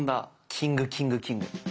キングキングキング。